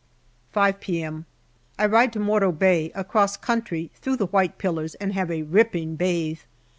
5 P m. I ride to Morto Bay across country through the white pillars, and have a ripping bathe.